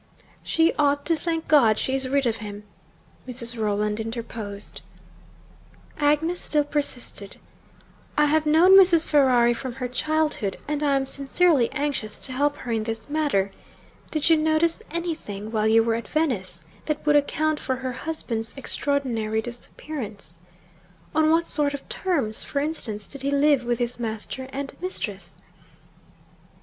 'She ought to thank God she is rid of him,' Mrs. Rolland interposed. Agnes still persisted. 'I have known Mrs. Ferrari from her childhood, and I am sincerely anxious to help her in this matter. Did you notice anything, while you were at Venice, that would account for her husband's extraordinary disappearance? On what sort of terms, for instance, did he live with his master and mistress?'